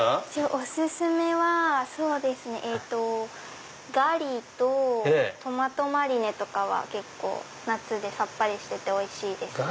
お薦めはそうですねガリとトマトマリネとかは夏でさっぱりしてておいしいですね。